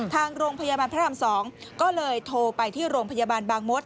ทางโรงพยาบาลพระราม๒ก็เลยโทรไปที่โรงพยาบาลบางมศ